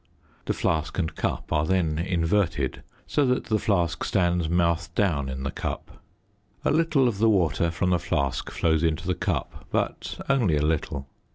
The flask and cup are then inverted so that the flask stands mouth down in the cup; a little of the water from the flask flows into the cup, but only a little.